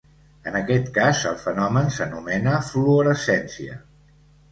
En aquest cas el fenomen s'anomena fluorescència.